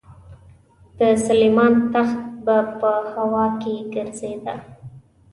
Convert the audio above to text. د سلیمان تخت به په هوا کې ګرځېده.